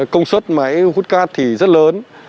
công suất máy hút cát thì rất lớn